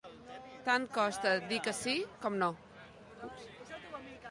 Tant costa dir sí com no.